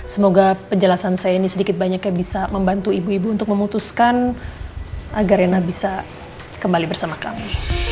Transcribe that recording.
semoga penjelasan saya ini sedikit banyaknya bisa membantu ibu ibu untuk memutuskan agar ena bisa kembali bersama kami